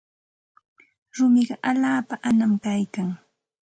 Rumiqa allaapa anam kaykan.